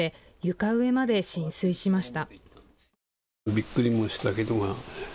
床上まで浸水しました。